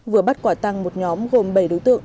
vừa bắt quả tăng một nhóm gồm bảy đối tượng